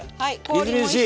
みずみずしい。